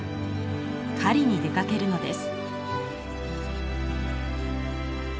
狩りに出かけるのです。